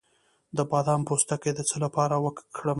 د بادام پوستکی د څه لپاره لرې کړم؟